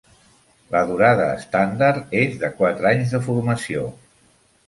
La durada estàndard és de quatre anys de formació.